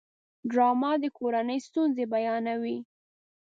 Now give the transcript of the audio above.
ډرامه د کورنۍ ستونزې بیانوي